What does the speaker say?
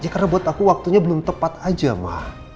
karena buat aku waktunya belum tepat aja ma